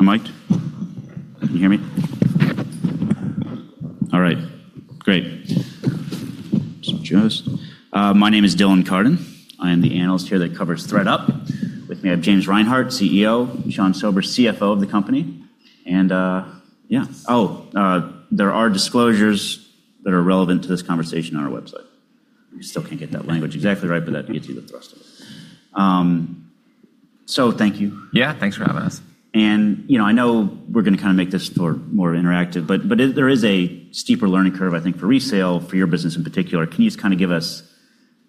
I'm mic'd? Can you hear me? All right, great. Just, my name is Dylan Carden. I am the Analyst here that covers ThredUp. With me, I have James Reinhart, CEO, Sean Sobers, CFO of the company, and yeah. Oh, there are disclosures that are relevant to this conversation on our website. We still can't get that language exactly right, but that gets you the thrust of it. Thank you. Yeah, thanks for having us. I know we're going to make this more interactive, but there is a steeper learning curve, I think, for resale, for your business in particular. Can you just give us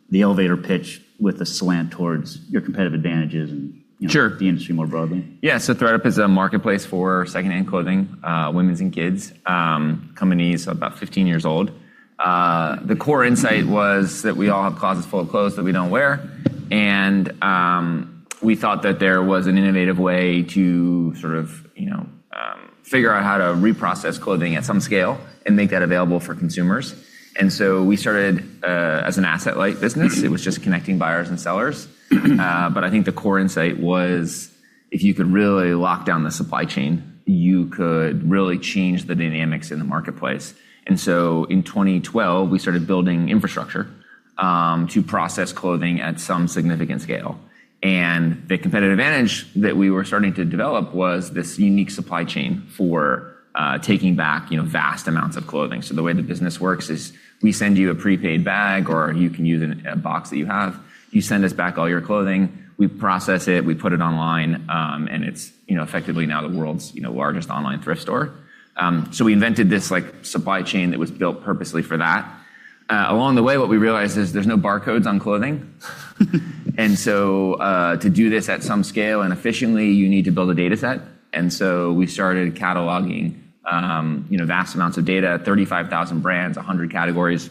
the elevator pitch with a slant towards your competitive advantages and - Sure. - the industry more broadly? Yeah. ThredUp is a marketplace for second-hand clothing, women's and kids'. Company is about 15 years old. The core insight was that we all have closets full of clothes that we don't wear, and we thought that there was an innovative way to figure out how to reprocess clothing at some scale and make that available for consumers. We started as an asset-light business. It was just connecting buyers and sellers. I think the core insight was if you could really lock down the supply chain, you could really change the dynamics in the marketplace. In 2012, we started building infrastructure to process clothing at some significant scale. The competitive advantage that we were starting to develop was this unique supply chain for taking back vast amounts of clothing. The way the business works is we send you a prepaid bag, or you can use a box that you have. You send us back all your clothing, we process it, we put it online, and it's effectively now the world's largest online thrift store. We invented this supply chain that was built purposely for that. Along the way, what we realized is there's no barcodes on clothing. To do this at some scale and efficiently, you need to build a data set. We started cataloging vast amounts of data, 35,000 brands, 100 categories,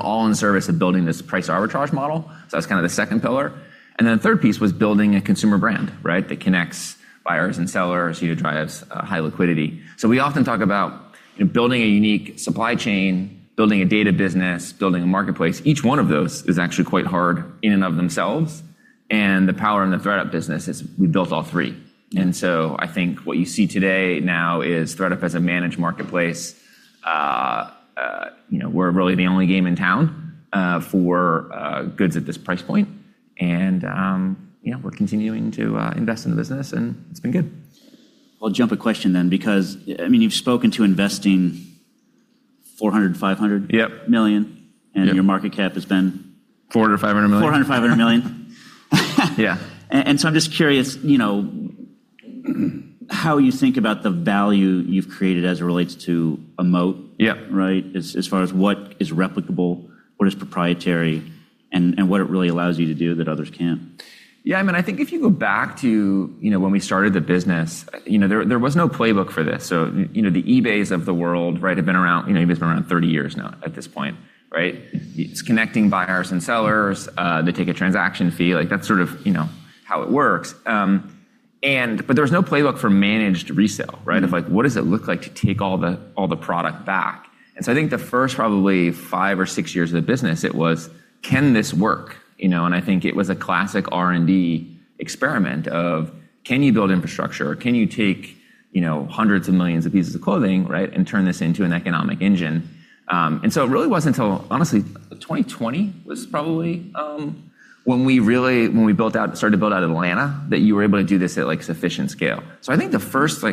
all in service of building this price arbitrage model. That's the second pillar. The third piece was building a consumer brand, right, that connects buyers and sellers, drives high liquidity. We often talk about building a unique supply chain, building a data business, building a marketplace. Each one of those is actually quite hard in and of themselves, and the power in the ThredUp business is we built all three. I think what you see today now is ThredUp as a managed marketplace. We're really the only game in town for goods at this price point. We're continuing to invest in the business and it's been good. I'll jump a question then, because you've spoken to investing $400, $500 - Yep. - million. Yep. Your market cap has been. $400 million, $500 million. $400 million, $500 million. Yeah. I'm just curious, how you think about the value you've created as it relates to a moat. Yeah. Right? As far as what is replicable, what is proprietary, and what it really allows you to do that others can't. I think if you go back to when we started the business, there was no playbook for this. The eBays of the world, right, have been around, eBay's been around 30 years now at this point, right? It's connecting buyers and sellers. They take a transaction fee. That's sort of how it works. There was no playbook for managed resale, right? Of like, what does it look like to take all the product back? I think the first probably five or six years of the business, it was, can this work? I think it was a classic R&D experiment of can you build infrastructure? Can you take hundreds of millions of pieces of clothing, right, and turn this into an economic engine? It really wasn't until, honestly, 2020 was probably when we started to build out Atlanta, that you were able to do this at sufficient scale. I think the first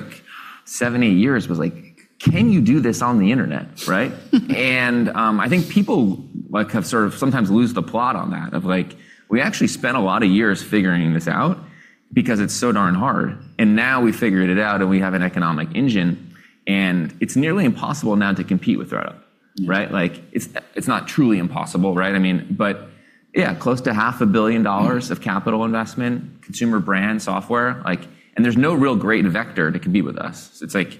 seven, eight years was like, can you do this on the internet, right? I think people have sort of sometimes lose the plot on that of like, we actually spent a lot of years figuring this out because it's so darn hard, and now we figured it out and we have an economic engine, and it's nearly impossible now to compete with ThredUp, right? It's not truly impossible, right? I mean, but yeah, close to $500 million of capital investment, consumer brand software. There's no real great vector to compete with us. It's like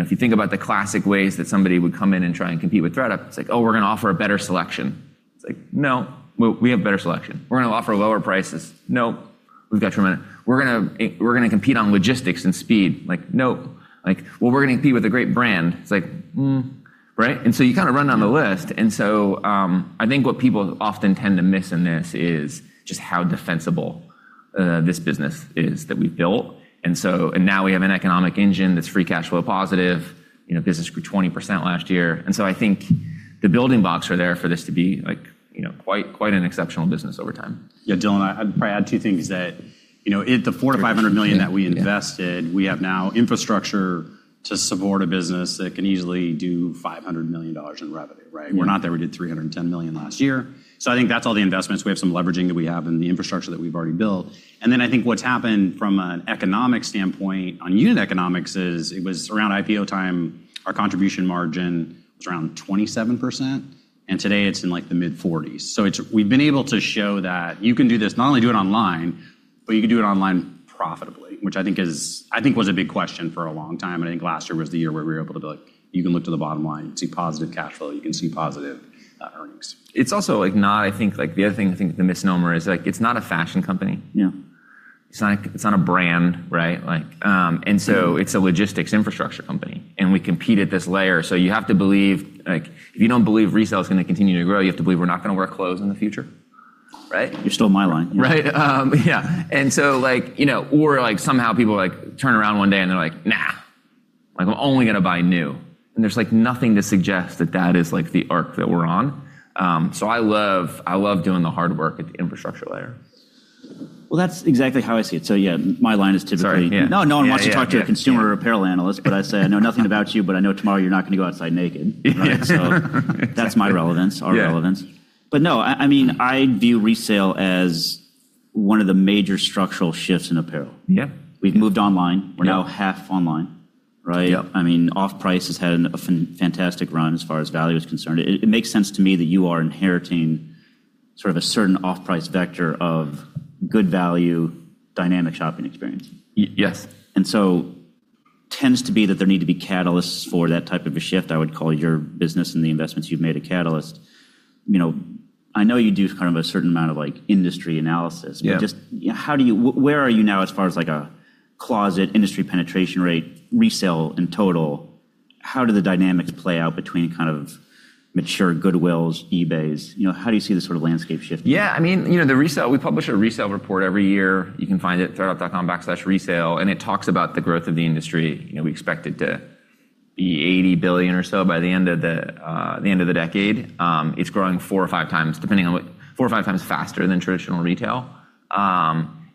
if you think about the classic ways that somebody would come in and try and compete with ThredUp, it's like, "Oh, we're going to offer a better selection." It's like, "No, we have better selection." "We're going to offer lower prices." "No, we've got tremendous" "We're going to compete on logistics and speed." Like, "No." "Well, we're going to compete with a great brand." It's like, "Mm." Right? You run down the list. I think what people often tend to miss in this is just how defensible this business is that we've built. Now we have an economic engine that's free cash flow positive, business grew 20% last year. I think the building blocks are there for this to be quite an exceptional business over time. Yeah. Dylan, I'd probably add two things, that the $400 million-$500 million that we invested, we have now infrastructure to support a business that can easily do $500 million in revenue, right? Yeah. We're not there. We did $310 million last year. I think that's all the investments. We have some leveraging that we have and the infrastructure that we've already built. I think what's happened from an economic standpoint on unit economics is it was around IPO time, our contribution margin was around 27%, and today it's in like the mid-40s. We've been able to show that you can do this, not only do it online, but you can do it online profitably, which I think was a big question for a long time, and I think last year was the year where we were able to be like, you can look to the bottom line, see positive cash flow, you can see positive earnings. It's also not, I think, the other thing, the misnomer is it's not a fashion company. It's not a brand, right? It's a logistics infrastructure company, and we compete at this layer. If you don't believe resale is going to continue to grow, you have to believe we're not going to wear clothes in the future. You stole my line. Right. Yeah. Somehow people turn around one day and they're like, "Nah. I'm only going to buy new." There's nothing to suggest that that is the arc that we're on. I love doing the hard work at the infrastructure layer. Well, that's exactly how I see it. Yeah, my line is typically. Sorry, yeah. No one wants to talk to a consumer apparel analyst, but I say, "I know nothing about you, but I know tomorrow you're not going to go outside naked." Right. That's my relevance, our relevance. Yeah. No, I view resale as one of the major structural shifts in apparel. Yeah. We've moved online. We're now half online, right? Yeah. Off-price has had a fantastic run as far as value is concerned. It makes sense to me that you are inheriting sort of a certain off-price vector of good value, dynamic shopping experience. Yes. Tends to be that there need to be catalysts for that type of a shift. I would call your business and the investments you've made a catalyst. I know you do kind of a certain amount of industry analysis. Yeah. Where are you now as far as a closet industry penetration rate, resale in total? How do the dynamics play out between kind of mature Goodwill, eBays? How do you see the sort of landscape shifting? Yeah, we publish a resale report every year. You can find it at thredUp.com/resale. It talks about the growth of the industry. We expect it to be $80 billion or so by the end of the decade. It's growing four or five times faster than traditional retail.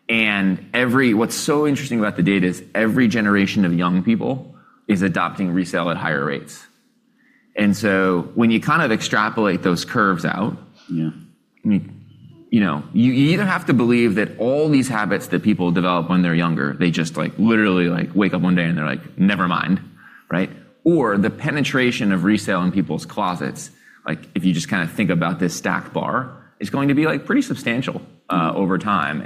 What's so interesting about the data is every generation of young people is adopting resale at higher rates. When you kind of extrapolate those curves out. Yeah. You either have to believe that all these habits that people develop when they're younger, they just literally wake up one day and they're like, "Never mind." The penetration of resale in people's closets, if you just kind of think about this stacked bar, is going to be pretty substantial over time.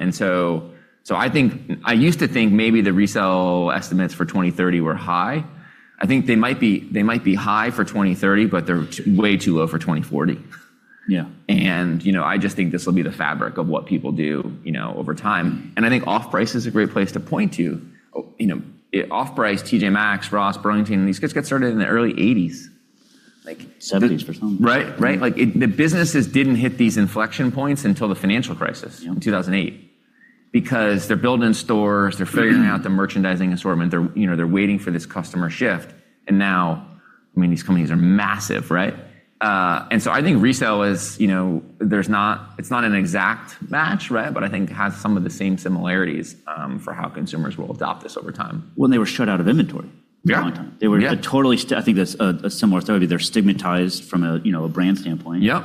I used to think maybe the resale estimates for 2030 were high. I think they might be high for 2030, but they're way too low for 2040. Yeah. I just think this will be the fabric of what people do over time. I think off-price is a great place to point to. Off-price, TJ Maxx, Ross, Burlington, these guys got started in the early 1980s. '70s for some. Right. The businesses didn't hit these inflection points until the financial crisis - Yeah. - in 2008. They're building stores, they're figuring out the merchandising assortment. They're waiting for this customer shift, and now, these companies are massive. I think resale, it's not an exact match, but I think has some of the same similarities for how consumers will adopt this over time. When they were shut out of inventory - Yeah. - for a long time. I think that's a similar story. They're stigmatized from a brand standpoint. Yeah.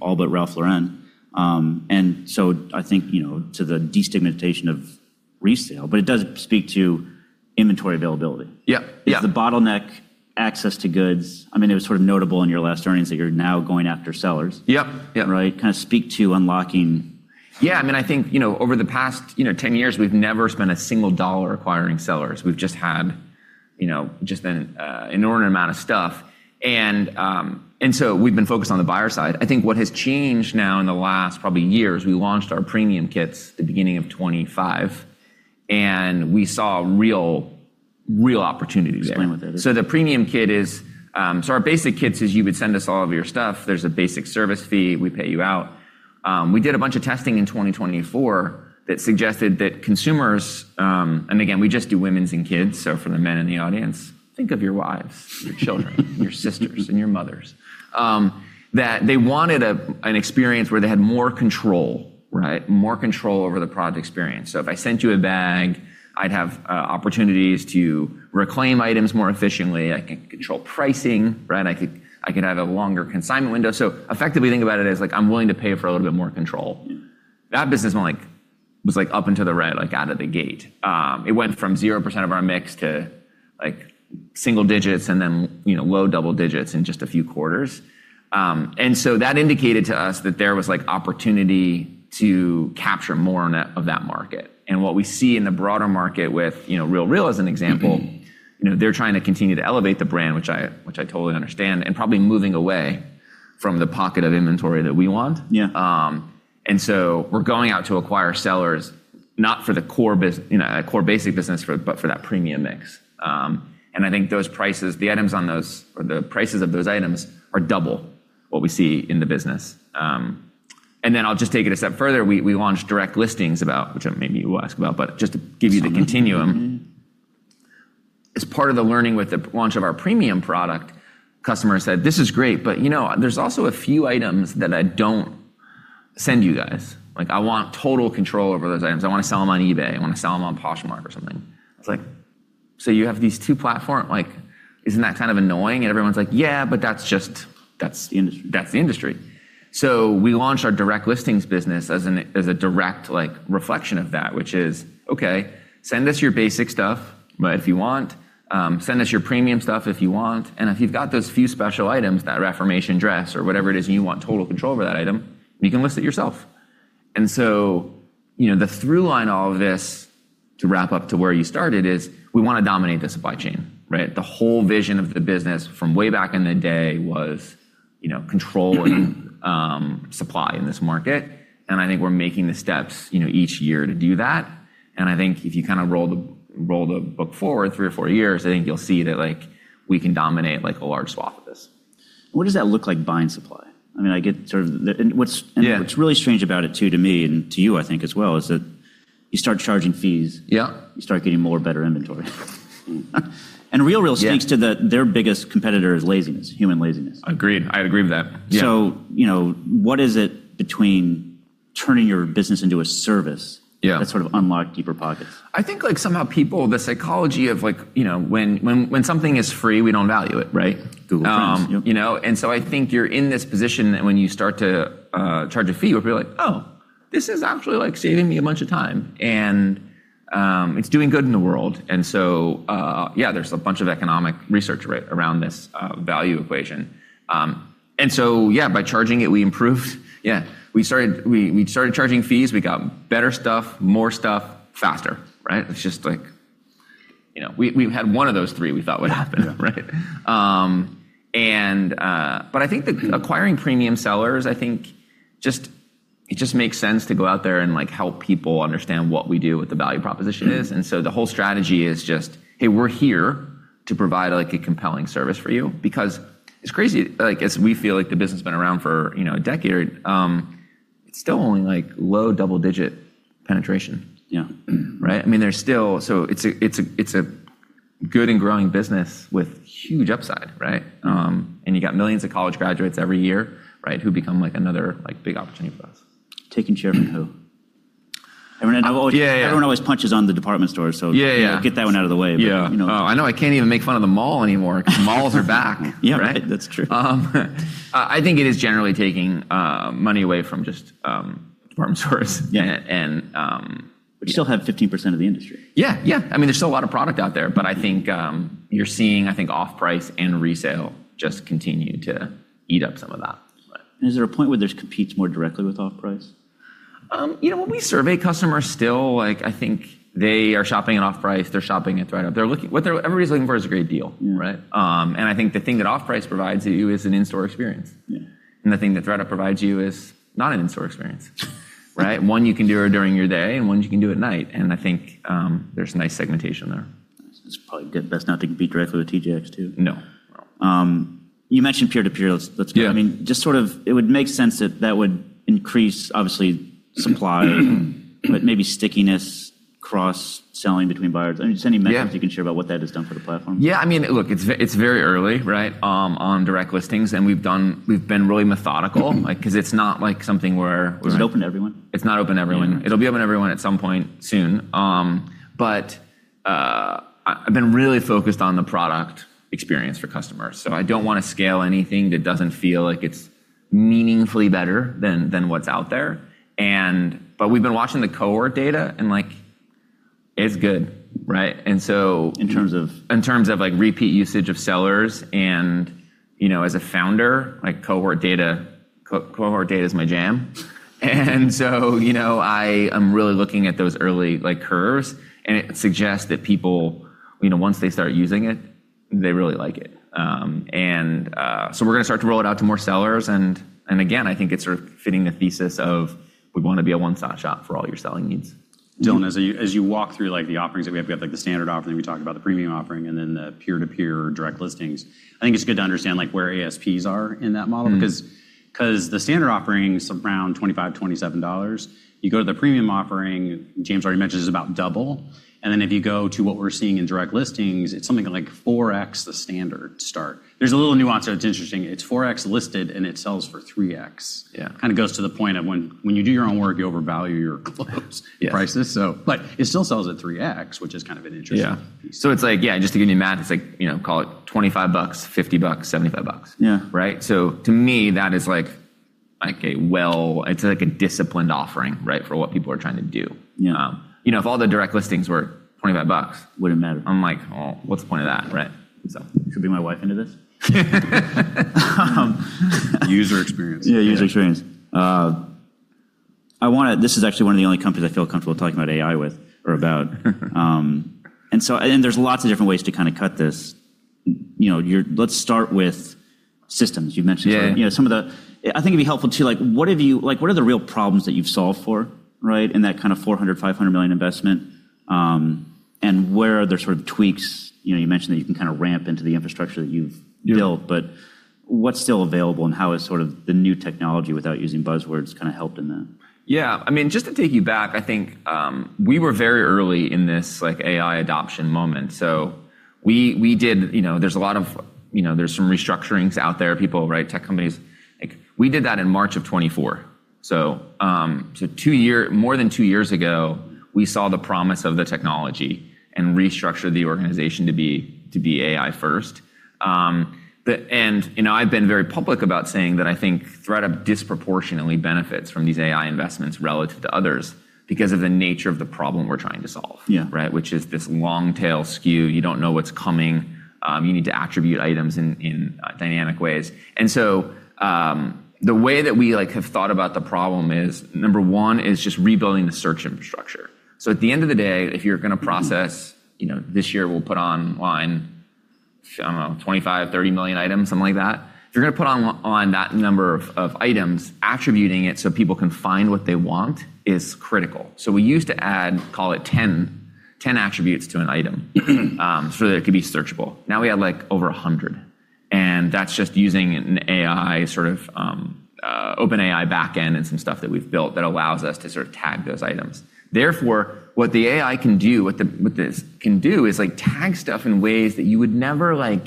All but Ralph Lauren. I think, to the destigmatization of resale, but it does speak to inventory availability. Yeah. Is the bottleneck access to goods? It was sort of notable in your last earnings that you're now going after sellers. Yeah. Right? Kind of speak to unlocking. Yeah, I think, over the past 10 years, we've never spent a single dollar acquiring sellers. We've just had an inordinate amount of stuff. We've been focused on the buyer side. I think what has changed now in the last probably years, we launched our Premium Kits at the beginning of 2025, and we saw a real opportunity there. Explain what that is. Our Basic Kits is you would send us all of your stuff. There's a basic service fee. We pay you out. We did a bunch of testing in 2024 that suggested that consumers, and again, we just do women's and kids, so for the men in the audience, think of your wives, your children, your sisters, and your mothers. That they wanted an experience where they had more control. Right. More control over the product experience. If I sent you a bag, I'd have opportunities to reclaim items more efficiently. I can control pricing. I could have a longer consignment window. Effectively, think about it as like, I'm willing to pay for a little bit more control. Yeah. That business was up and to the right out of the gate. It went from 0% of our mix to single digits and then low double digits in just a few quarters. That indicated to us that there was opportunity to capture more of that market. What we see in the broader market with RealReal as an example, they're trying to continue to elevate the brand, which I totally understand, and probably moving away from the pocket of inventory that we want. Yeah. We're going out to acquire sellers, not for the core basic business, but for that premium mix. I think the prices of those items are double what we see in the business. I'll just take it a step further. We launched direct listings, which maybe you will ask about, but just to give you the continuum. As part of the learning with the launch of our premium product, customers said, "This is great, but there's also a few items that I don't send you guys. I want total control over those items. I want to sell them on eBay. I want to sell them on Poshmark or something." It's like, you have these two platform, isn't that kind of annoying? Everyone's like, "Yeah. That's the industry. That's the industry. We launched our direct listings business as a direct reflection of that, which is, okay, send us your basic stuff, but if you want, send us your premium stuff if you want. If you've got those few special items, that Reformation dress or whatever it is, and you want total control over that item, you can list it yourself. The through line of all of this, to wrap up to where you started is, we want to dominate the supply chain. The whole vision of the business from way back in the day was controlling supply in this market, and I think we're making the steps each year to do that. I think if you roll the book forward three or four years, I think you'll see that we can dominate a large swath of this. What does that look like buying supply? I get sort of what's really strange about it too, to me and to you, I think as well, is that you start charging fees. Yeah, You start getting more, better inventory. The RealReal speaks to their biggest competitor is laziness, human laziness. Agreed. I agree with that. Yeah. What is it between turning your business into a service that sort of unlocked deeper pockets? I think somehow people, the psychology of when something is free, we don't value it. Right. Google Calendar. Yep. I think you're in this position that when you start to charge a fee, people are like, "Oh, this is actually saving me a bunch of time." It's doing good in the world. Yeah, there's a bunch of economic research around this value equation. Yeah, by charging it, we improved. Yeah. We started charging fees, we got better stuff, more stuff faster, right? If we had one of those three, we thought would happen. Yeah. Right? I think that acquiring premium sellers, I think it just makes sense to go out there and help people understand what we do, what the value proposition is. Mm-hmm. The whole strategy is just, hey, we're here to provide a compelling service for you because it's crazy. As we feel like the business has been around for a decade, it's still only low double-digit penetration. Yeah. Right? It's a good and growing business with huge upside, right? You've got millions of college graduates every year who become another big opportunity for us. Taking share from who? Yeah. Everyone always punches on the department store. Yeah. Get that one out of the way. Oh, I know I can't even make fun of the mall anymore because malls are back. Yeah. Right. That's true. I think it is generally taking money away from just department stores. Yeah. You still have 15% of the industry. Yeah. There's still a lot of product out there, but I think you're seeing off-price and resale just continue to eat up some of that. Right. Is there a point where this competes more directly with off-price? When we survey customers still, I think they are shopping at off-price, they're shopping at ThredUp. What everybody's looking for is a great deal. Right? I think the thing that off-price provides you is an in-store experience. Yeah. The thing that ThredUp provides you is not an in-store experience. Right? One you can do during your day, and one you can do at night. I think there's a nice segmentation there. It's probably best not to compete directly with TJX, too. No. You mentioned peer-to-peer. Yeah go. It would make sense that that would increase supply, but maybe stickiness, cross-selling between buyers. You can share about what that has done for the platform? Yeah. Look, it's very early on direct listings, we've been really methodical because it's not like something where Is it open to everyone? It's not open to everyone. It'll be open to everyone at some point soon. I've been really focused on the product experience for customers. I don't want to scale anything that doesn't feel like it's meaningfully better than what's out there. We've been watching the cohort data and it's good. In terms of? In terms of repeat usage of sellers and as a founder, cohort data is my jam. I am really looking at those early curves, and it suggests that people, once they start using it, they really like it. We're going to start to roll it out to more sellers and again, I think it's sort of fitting the thesis of we want to be a one-stop shop for all your selling needs. Dylan, as you walk through the offerings that we have, we have the standard offering, we talked about the premium offering, and then the peer-to-peer direct listings. I think it's good to understand where ASPs are in that model because the standard offering is around $25, $27. You go to the premium offering, James already mentioned, it's about double. If you go to what we're seeing in direct listings, it's something like 4x the standard start. There's a little nuance that's interesting. It's 4x listed and it sells for 3x. Yeah. Kind of goes to the point of when you do your own work, you overvalue your clothes prices. Yes. It still sells at 3x, which is kind of an interesting piece. Yeah. Just to give you math, it's like call it $25, $50, $75. Yeah. Right? To me, that is like a disciplined offering for what people are trying to do. Yeah. If all the direct listings were $25, wouldn't matter. I'm like, oh, what's the point of that? Right. You could be my wife into this? User experience. Yeah, user experience. This is actually one of the only companies I feel comfortable talking about AI with or about. There's lots of different ways to kind of cut this. Let's start with systems. I think it'd be helpful too, what are the real problems that you've solved for in that kind of $400 million-$500 million investment? Where are there sort of tweaks, you mentioned that you can kind of ramp into the infrastructure that you've built, what's still available and how has sort of the new technology, without using buzzwords, kind of helped in that? Yeah. Just to take you back, I think we were very early in this AI adoption moment. There's some restructurings out there, tech companies. We did that in March of 2024. More than two years ago, we saw the promise of the technology and restructured the organization to be AI first. I've been very public about saying that I think ThredUp disproportionately benefits from these AI investments relative to others because of the nature of the problem we're trying to solve, which is this long tail skew. You don't know what's coming. You need to attribute items in dynamic ways. The way that we have thought about the problem is, number one is just rebuilding the search infrastructure. At the end of the day, if you're going to process this year, we'll put online, I don't know, 25 million-30 million items, something like that. If you're going to put on that number of items, attributing it so people can find what they want is critical. We used to add, call it 10 attributes to an item so that it could be searchable. We have over 100, and that's just using an AI, sort of OpenAI backend and some stuff that we've built that allows us to sort of tag those items. What the AI can do is tag stuff in ways that you would never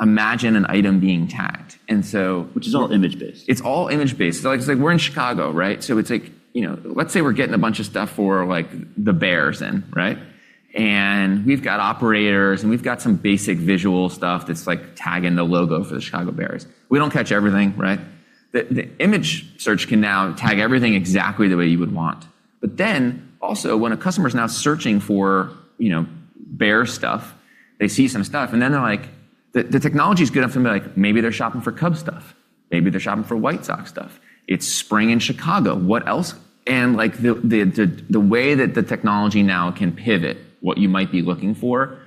imagine an item being tagged. Which is all image-based. It's all image-based. Like, we're in Chicago, right? Let's say we're getting a bunch of stuff for the Bears in, right? We've got operators and we've got some basic visual stuff that's tagging the logo for the Chicago Bears. We don't catch everything, right? The image search can now tag everything exactly the way you would want. Also when a customer's now searching for Bears stuff, they see some stuff, and then they're like, the technology's good enough for them to be like, maybe they're shopping for Cubs stuff. Maybe they're shopping for White Sox stuff. It's spring in Chicago. What else? The way that the technology now can pivot what you might be looking for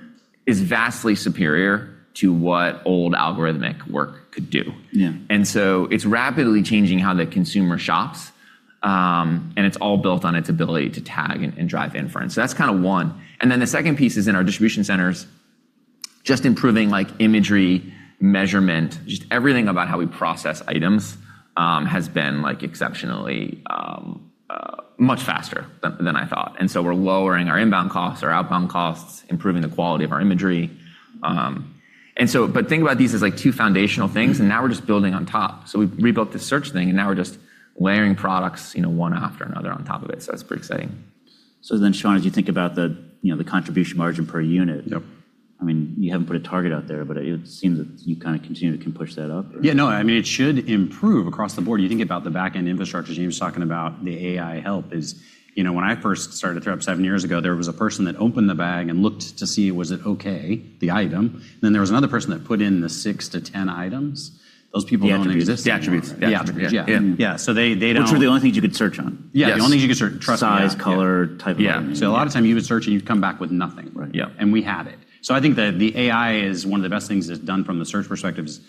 is vastly superior to what old algorithmic work could do. It's rapidly changing how the consumer shops, and it's all built on its ability to tag and drive inference. That's kind of one. The second piece is in our distribution centers, just improving imagery, measurement, just everything about how we process items has been exceptionally much faster than I thought. We're lowering our inbound costs, our outbound costs, improving the quality of our imagery. Think about these as two foundational things, and now we're just building on top. We rebuilt the search thing and now we're just layering products one after another on top of it. That's pretty exciting. Sean, as you think about the contribution margin per unit - Yep - you haven't put a target out there, but it would seem that you kind of continue to push that up or? Yeah, no, it should improve across the board. You think about the backend infrastructure, James talking about the AI help is, when I first started ThredUp seven years ago, there was a person that opened the bag and looked to see was it okay, the item. There was another person that put in the 6 to 10 items. Those people don't exist anymore. The attributes. The attributes. Yeah. Yeah. Which were the only things you could search on. Yeah. The only things you could search, trust me. Size, color, type of item. Yeah. A lot of time you would search and you'd come back with nothing. Right. Yeah. We had it. I think that the AI is one of the best things it's done from the search perspective is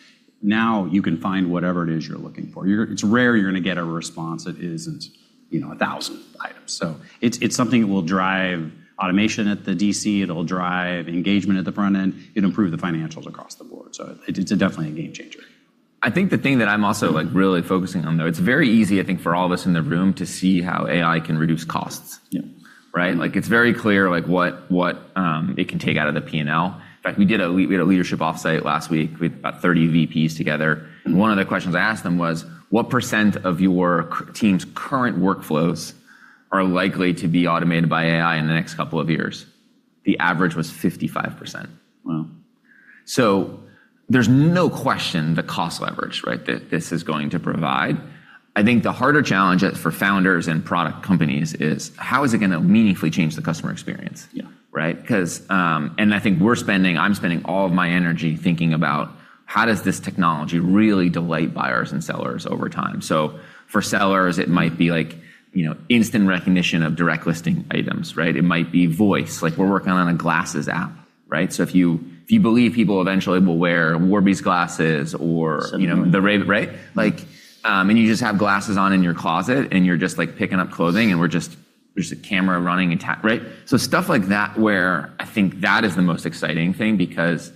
now you can find whatever it is you're looking for. It's rare you're going to get a response that isn't 1,000 items. It's something that will drive automation at the DC, it'll drive engagement at the front end. It'll improve the financials across the board. It's definitely a game changer. I think the thing that I'm also really focusing on, though, it's very easy, I think, for all of us in the room to see how AI can reduce costs. Yeah. Right? It's very clear what it can take out of the P&L. In fact, we had a leadership offsite last week. We had about 30 VPs together. One of the questions I asked them was, what percent of your team's current workflows are likely to be automated by AI in the next couple of years? The average was 55%. Wow. There's no question the cost leverage, right, that this is going to provide. I think the harder challenge for founders and product companies is how is it going to meaningfully change the customer experience? Yeah. Right? I think I'm spending all of my energy thinking about how does this technology really delight buyers and sellers over time. For sellers, it might be instant recognition of direct listing items, right? It might be voice. We're working on a glasses app, right? If you believe people eventually will wear Warby's glasses or- Some variant the Ray-- Right? You just have glasses on in your closet and you're just picking up clothing and there's a camera running, right? Stuff like that, where I think that is the most exciting thing because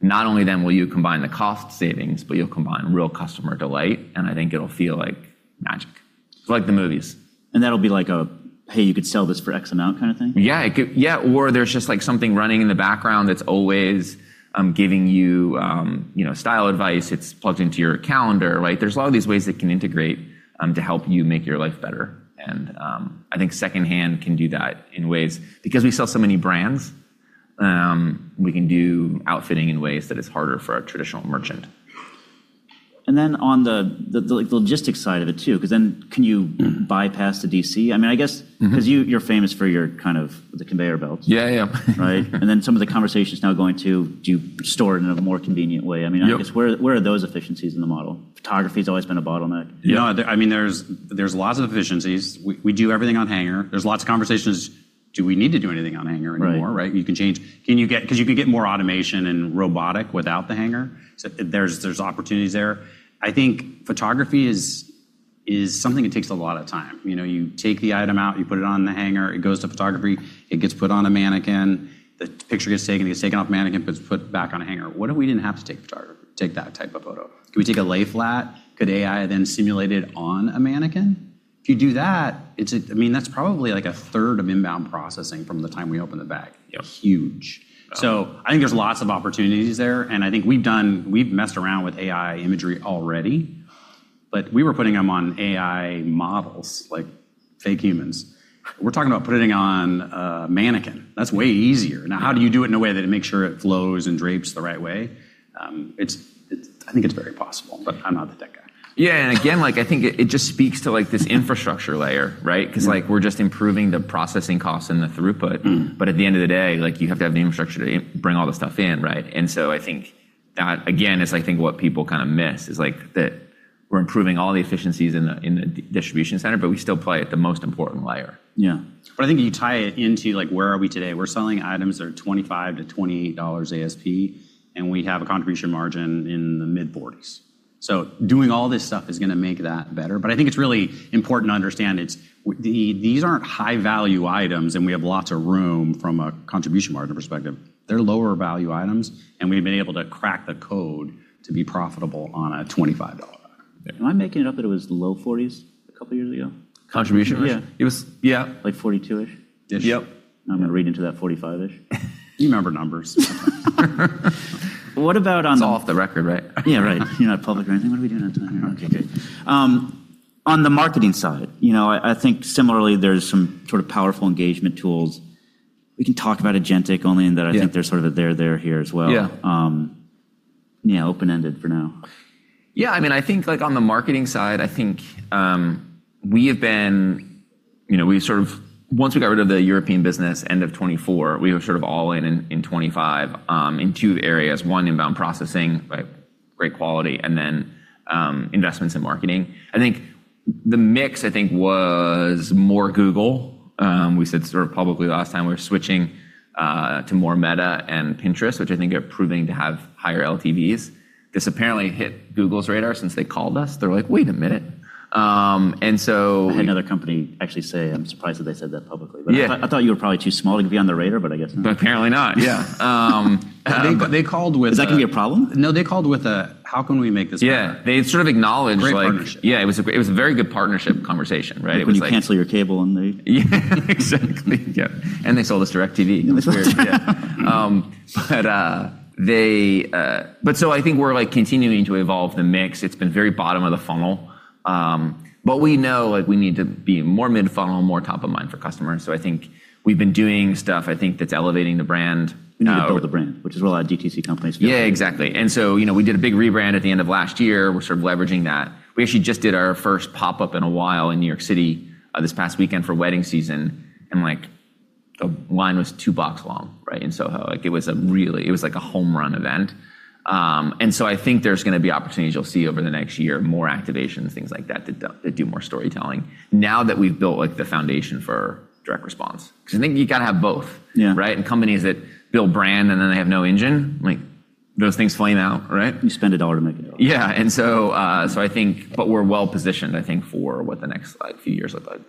not only then will you combine the cost savings, but you'll combine real customer delight, and I think it'll feel like magic. Like the movies. That'll be like a, hey, you could sell this for X amount kind of thing? Yeah. There's just something running in the background that's always giving you style advice. It's plugged into your calendar, right? There's a lot of these ways it can integrate to help you make your life better. I think secondhand can do that in ways because we sell so many brands, we can do outfitting in ways that is harder for a traditional merchant. On the logistics side of it, too, because then can you bypass the DC? I guess because you're famous for your kind of the conveyor belts. Yeah, yeah. Right? Some of the conversation's now going to do you store it in a more convenient way? Yep. I guess where are those efficiencies in the model? Photography's always been a bottleneck. Yeah. There's lots of efficiencies. We do everything on hanger. There's lots of conversations, do we need to do anything on hanger anymore, right? Right. You can change. You could get more automation and robotic without the hanger. So there's opportunities there. I think photography is something that takes a lot of time. You take the item out, you put it on the hanger, it goes to photography, it gets put on a mannequin, the picture gets taken, it gets taken off the mannequin, put back on a hanger. What if we didn't have to take that type of photo? Can we take a lay flat? Could AI simulate it on a mannequin? If you do that's probably a third of inbound processing from the time we open the bag. Yep. Huge. I think there's lots of opportunities there, and I think we've messed around with AI imagery already. We were putting them on AI models, like fake humans. We're talking about putting it on a mannequin. That's way easier. How do you do it in a way that it makes sure it flows and drapes the right way? I think it's very possible, but I'm not the tech guy. Yeah, again, I think it just speaks to this infrastructure layer, right? We're just improving the processing costs and the throughput. At the end of the day, you have to have the infrastructure to bring all the stuff in, right? I think that, again, is I think what people kind of miss is like We're improving all the efficiencies in the distribution center, but we still play at the most important layer. Yeah. I think you tie it into like where are we today? We're selling items that are $25-$28 ASP, and we have a contribution margin in the mid-40s. Doing all this stuff is going to make that better. I think it's really important to understand, these aren't high-value items, and we have lots of room from a contribution margin perspective. They're lower value items, and we've been able to crack the code to be profitable on a $25 item. Am I making it up that it was the low 40s a couple of years ago? Contribution margin? Yeah. It was, yeah. Like 42-ish? Ish. Yep. Now I'm going to read into that 45-ish. You remember numbers. What about on-. It's all off the record, right? Yeah, right. You're not public or anything. What are we doing? Okay, good. On the marketing side, I think similarly, there's some sort of powerful engagement tools. We can talk about Agentic only in that I think they're sort of a there, here as well. Yeah. Yeah, open-ended for now. Yeah, I think on the marketing side, I think once we got rid of the European business end of 2024, we went all in in 2025, in two areas. One, inbound processing, but great quality, and then investments in marketing. I think the mix, I think was more Google. We said sort of publicly last time we were switching to more Meta and Pinterest, which I think are proving to have higher LTVs. This apparently hit Google's radar since they called us. They're like, "Wait a minute. I had another company actually say, I'm surprised that they said that publicly. Yeah. I thought you were probably too small to be on the radar, but I guess not. Apparently not. Yeah. They called with. Is that going to be a problem? No, they called with a, "How can we make this better? Yeah. They sort of acknowledged. Great partnership. Yeah, it was a very good partnership conversation, right? It's like cancel your cable and they. Yeah, exactly. Yeah. They sold us DirecTV. It was weird. Yeah. I think we're continuing to evolve the mix. It's been very bottom of the funnel. We know we need to be more mid-funnel, more top of mind for customers. I think we've been doing stuff, I think that's elevating the brand. You need to build the brand, which is what a lot of DTC companies do. Yeah, exactly. We did a big rebrand at the end of last year. We're sort of leveraging that. We actually just did our first pop-up in a while in New York City, this past weekend for wedding season, and the line was two blocks long, right? In SoHo. It was like a home run event. I think there's going to be opportunities you'll see over the next year, more activations, things like that do more storytelling now that we've built the foundation for direct response. Because I think you got to have both. Yeah. Right? Companies that build brand and then they have no engine, those things flame out, right? You spend $1 to make $1. Yeah. I think, but we're well-positioned, I think, for what the next few years look like.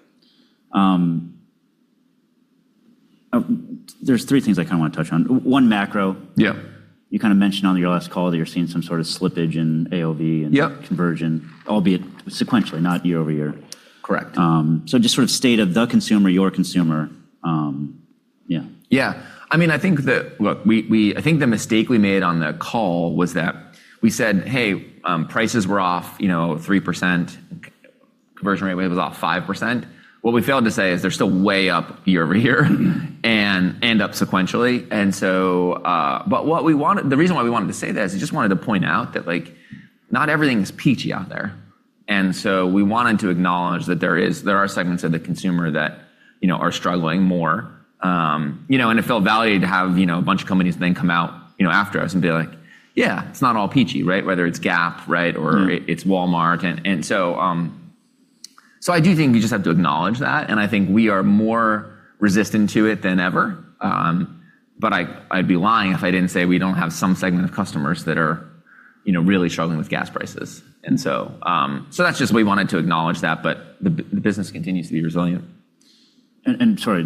There's three things I kind of want to touch on. One, macro. Yeah. You kind of mentioned on your last call that you're seeing some sort of slippage in AOV. Yep. Conversion, albeit sequentially, not year-over-year. Correct. Just sort of state of the consumer, your consumer. Yeah. I think the mistake we made on the call was that we said, "Hey, prices were off 3%, conversion rate was off 5%." What we failed to say is they're still way up year-over-year and up sequentially. The reason why we wanted to say this, is we just wanted to point out that not everything's peachy out there. We wanted to acknowledge that there are segments of the consumer that are struggling more. It felt valid to have a bunch of companies then come out after us and be like, "Yeah, it's not all peachy," right? Whether it's Gap. It's Walmart. I do think we just have to acknowledge that, and I think we are more resistant to it than ever. I'd be lying if I didn't say we don't have some segment of customers that are really struggling with gas prices. That's just we wanted to acknowledge that, but the business continues to be resilient. Sorry.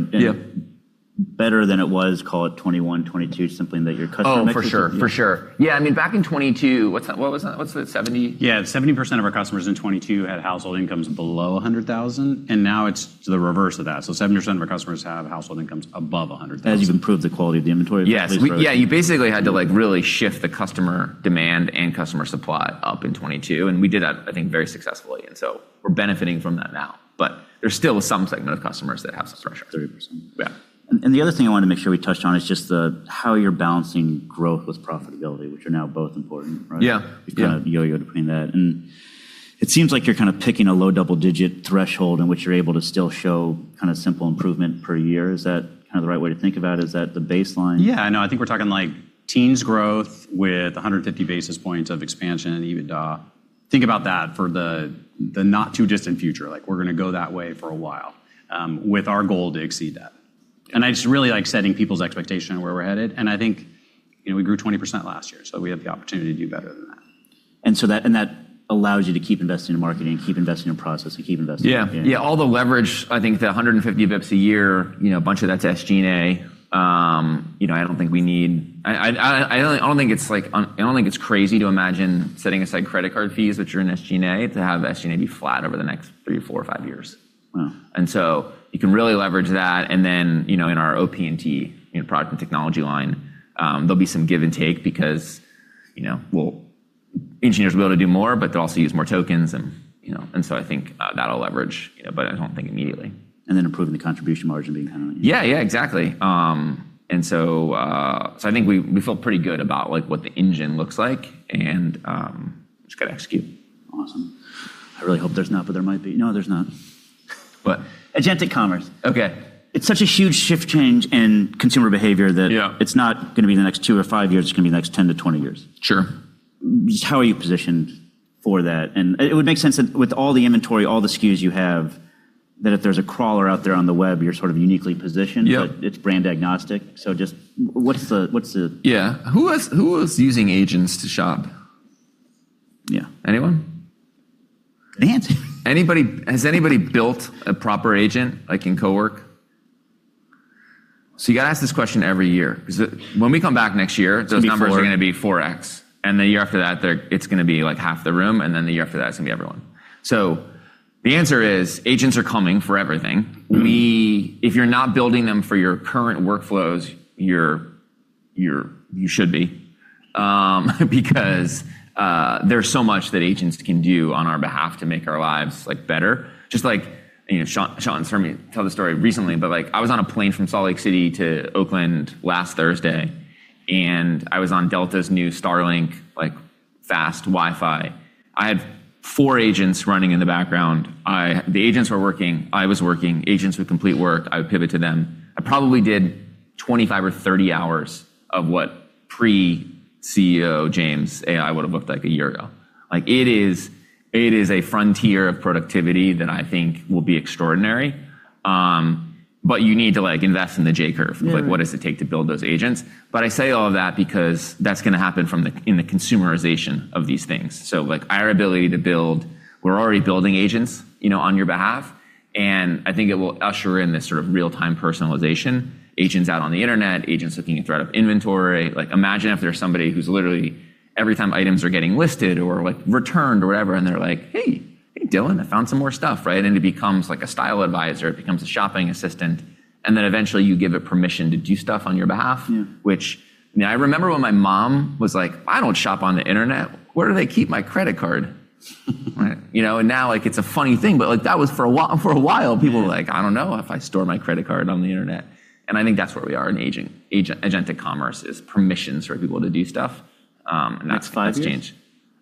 Yeah. Better than it was, call it 2021, 2022, simply in that your customer mix is different. Oh, for sure. Yeah, I mean, back in 2022, what was that? What's it 70%? Yeah, 70% of our customers in 2022 had household incomes below $100,000, and now it's the reverse of that. 70% of our customers have household incomes above $100,000. As you've improved the quality of the inventory- Yes. Yeah, you basically had to really shift the customer demand and customer supply up in 2022, we did that, I think, very successfully. We're benefiting from that now. There's still some segment of customers that have some pressure. 30%. Yeah. The other thing I wanted to make sure we touched on is just the how you're balancing growth with profitability, which are now both important, right? Yeah. You're kind of yo-yo-ing between that, and it seems like you're kind of picking a low double-digit threshold in which you're able to still show kind of simple improvement per year. Is that kind of the right way to think about it? Is that the baseline? No, I think we're talking like teens growth with 150 basis points of expansion and EBITDA. Think about that for the not too distant future. We're going to go that way for a while, with our goal to exceed that. I just really like setting people's expectation on where we're headed, and I think we grew 20% last year, so we have the opportunity to do better than that. That allows you to keep investing in marketing, keep investing in process, and keep investing in engineering. Yeah. All the leverage, I think the 150 basis points a year, a bunch of that's SG&A. I don't think it's crazy to imagine setting aside credit card fees that you're in SG&A to have SG&A be flat over the next three, four, or five years. Wow. You can really leverage that, and then, in our OP&T, product and technology line, there'll be some give and take because engineers will be able to do more, but they'll also use more tokens, and so I think that'll leverage, but I don't think immediately. Improving the contribution margin being dependent on you. Yeah. Exactly. I think we feel pretty good about what the engine looks like, and just got to execute. Awesome. I really hope there's not, but there might be. No, there's not What? Agentic commerce. Okay. It's such a huge shift change in consumer behavior that - Yeah. - it's not going to be the next two or five years, it's going to be the next 10 to 20 years. Sure. Just how are you positioned for that? It would make sense that with all the inventory, all the SKUs you have, that if there's a crawler out there on the web, you're sort of uniquely positioned. Yeah. it's brand agnostic, so just what's the. Yeah. Who is using agents to shop? Yeah. Anyone? Good answer. Has anybody built a proper agent, like in coworking? You've got to ask this question every year, because when we come back next year. It'll be four. Those numbers are going to be 4x. The year after that it's going to be half the room. Then the year after that it's going to be everyone. The answer is, agents are coming for everything. If you're not building them for your current workflows, you should be. Because there's so much that agents can do on our behalf to make our lives better. Sean's heard me tell the story recently, but I was on a plane from Salt Lake City to Oakland last Thursday, and I was on Delta's new Starlink, like fast Wi-Fi. I had four agents running in the background. The agents were working, I was working. Agents with complete work, I would pivot to them. I probably did 25 or 30 hours of what pre-CEO James AI would've looked like a year ago. It is a frontier of productivity that I think will be extraordinary, but you need to invest in the J curve - Yeah. - of what does it take to build those agents. I say all of that because that's going to happen in the consumerization of these things. Our ability to build, we're already building agents on your behalf, and I think it will usher in this sort of real-time personalization. Agents out on the internet, agents looking at ThredUp inventory. Imagine if there's somebody who's literally, every time items are getting listed or returned or whatever, and they're like, "Hey. Hey, Dylan, I found some more stuff." Right? It becomes like a style advisor, it becomes a shopping assistant, and then eventually you give it permission to do stuff on your behalf. Yeah. I remember when my mom was like, "I don't shop on the internet. Where do they keep my credit card?" Now, it's a funny thing, but for a while, people were like, "I don't know if I store my credit card on the internet." I think that's where we are in agentic commerce, is permission for people to do stuff. That's changed. Next five years?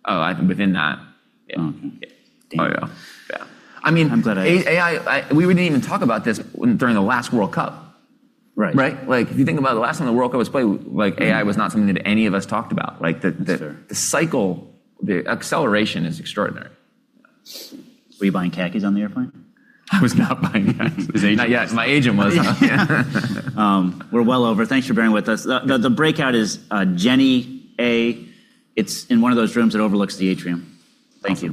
Oh, within that. Oh, okay. Yeah. Damn. Oh, yeah. I'm glad. We didn't even talk about this during the last World Cup. Right. Right? If you think about it, the last time the World Cup was played, AI was not something that any of us talked about. Sure. The cycle, the acceleration is extraordinary. Were you buying khakis on the airplane? I was not buying khakis. His agent- Not yet. My agent was. We're well over. Thanks for bearing with us. The breakout is Jenny A. It's in one of those rooms that overlooks the atrium. Thank you.